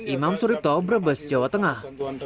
imam suripto brebes jawa tengah